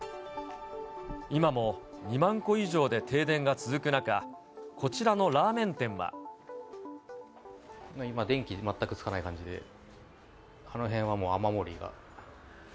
今も２万戸以上で停電が続く今、電気全くつかない感じで、この辺はもう雨漏りが。